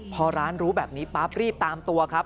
พอร้านรู้แบบนี้ปั๊บรีบตามตัวครับ